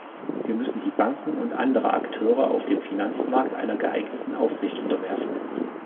Wir müssen die Banken und andere Akteure auf dem Finanzmarkt einer geeigneten Aufsicht unterwerfen.